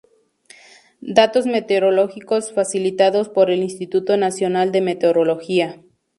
Datos meteorológicos facilitados por el Instituto Nacional de Meteorología.